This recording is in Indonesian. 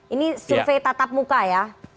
ini survei tatap muka ya